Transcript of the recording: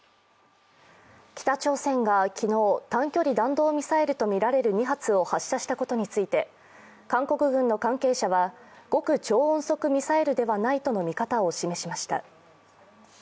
北朝鮮が昨日、短距離弾道ミサイルとみられる２発を発射したことについて、韓国軍の関係者は、極超音速ミサイルではないとの見方を示しました。